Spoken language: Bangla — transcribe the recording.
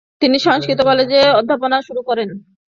তিনি সংস্কৃত কলেজে অধ্যাপনা শুরু করেন।